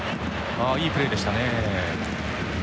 ああいいプレーでしたね。